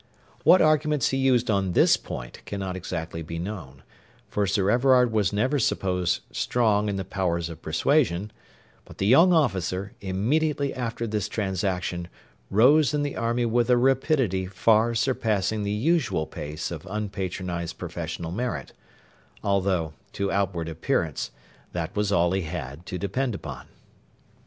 What arguments he used on this point cannot exactly be known, for Sir Everard was never supposed strong in the powers of persuasion; but the young officer, immediately after this transaction, rose in the army with a rapidity far surpassing the usual pace of unpatronised professional merit, although, to outward appearance, that was all he had to depend upon.